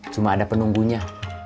cuma ada penunggunya